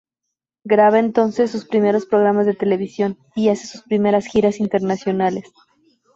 Graba entonces sus primeros programas de televisión y hace sus primeras giras internacionales.